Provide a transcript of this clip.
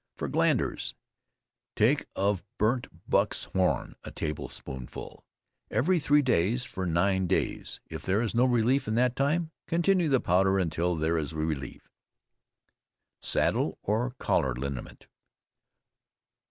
FOR GLANDERS. Take of burnt buck's horn a table spoonful, every three days for nine days. If there is no relief in that time, continue the powder until there is relief. SADDLE OR COLLAR LINIMENT.